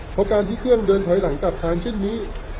เพราะการที่เครื่องเดินถอยหลังกลับทางเช่นนี้